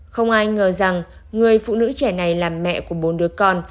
không ai ngờ rằng người phụ nữ trẻ này là mẹ của bốn đứa con